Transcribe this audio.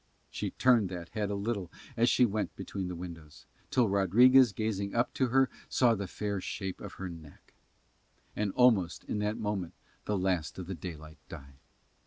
She turned that head a little as she went between the windows, till Rodriguez gazing up to her saw the fair shape of her neck: and almost in that moment the last of the daylight died.